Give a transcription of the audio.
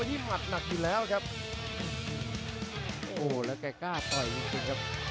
ทำได้ดีครับดอกนี้ของหลิวมอตุ๋น